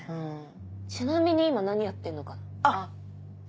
ちなみに今何やってんのかな？